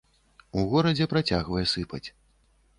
У горадзе працягвае сыпаць.